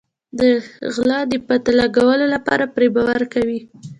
د غله د پته لګولو لپاره پرې باور کوي.